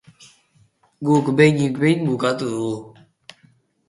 Guk behinik behin bukatu dugu.